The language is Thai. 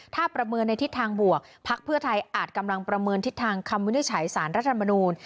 ถ้าประเมินในทิศทางบวกพักเพื่อไทยอาจกำลังประเมินทิศทางคำวินิจฉัยสารรัฐมนูล